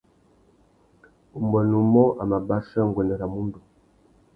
Umbuênê umô a mà bachia nguêndê râ mundu.